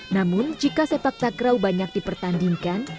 namun jika sepak takraw banyak dipertandingkan